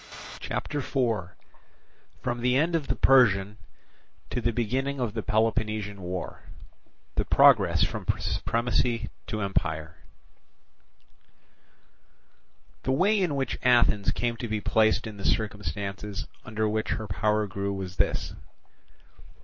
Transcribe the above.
CHAPTER IV From the end of the Persian to the beginning of the Peloponnesian War—The Progress from Supremacy to Empire The way in which Athens came to be placed in the circumstances under which her power grew was this.